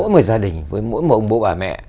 mỗi gia đình với mỗi một bố bà mẹ